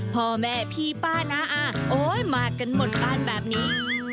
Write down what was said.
พ่อแม่พี่ป้าน้าอาโอ๊ยมากันหมดบ้านแบบนี้